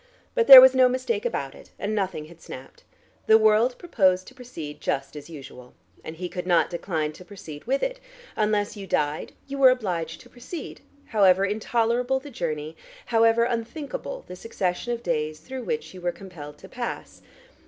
But there was no mistake about it, and nothing had snapped. The world proposed to proceed just as usual. And he could not decline to proceed with it; unless you died you were obliged to proceed, however intolerable the journey, however unthinkable the succession of days through which you were compelled to pass.